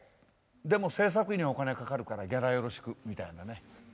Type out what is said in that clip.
でも制作費にはお金がかかるからギャラよろしくみたいなね。